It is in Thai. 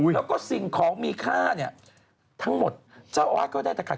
แล้วก็สิ่งของมีค่าเนี่ยทั้งหมดเจ้าอาวาสก็ได้แต่ขัด